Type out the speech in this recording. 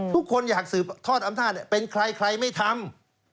ทุกคนอยากสืบทอดอำนาจเป็นใครใครไม่ทำ